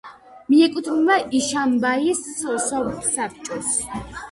მიეკუთვნება იშიმბაის სოფსაბჭოს.